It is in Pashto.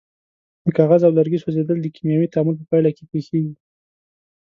د کاغذ او لرګي سوځیدل د کیمیاوي تعامل په پایله کې پیښیږي.